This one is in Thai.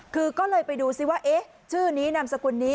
คือก็เลยไปดูซิว่าเอ๊ะชื่อนี้นามสกุลนี้